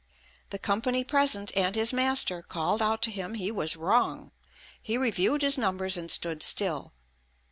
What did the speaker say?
The company present, and his master, called out to him he was wrong. He reviewed his numbers and stood still.